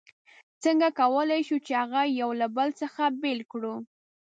څنګه کولای شو چې هغه یو له بل څخه بېل کړو؟